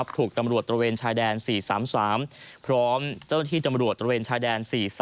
ถูกตำรวจตระเวนชายแดน๔๓๓พร้อมเจ้าหน้าที่ตำรวจตระเวนชายแดน๔๓